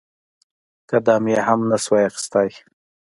قدم يې هم نسو اخيستى.